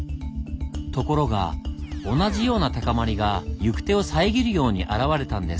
ところが同じような高まりが行く手を遮るように現れたんです。